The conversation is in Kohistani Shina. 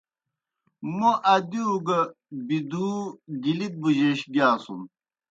موْ ادِیؤ گہ بِدُو گِلِت بُجَیش گیاسُن۔